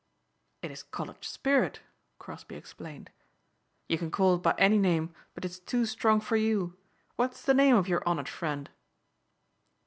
"It is college spirit," Crosbeigh explained. "You can call it by any name but it's too strong for you. What is the name of your honored friend?"